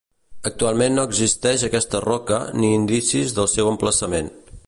Actualment no existeix aquesta roca ni indicis del seu emplaçament.